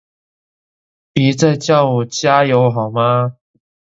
別再叫我加油好嗎？